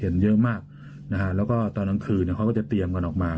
แล้วก็ตอนน้ำคืนเขาก็จะเตรียมกันออกมา